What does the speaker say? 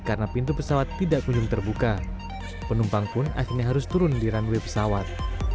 karena pintu pesawat tidak kunjung terbuka penumpang pun akhirnya harus turun di runway pesawat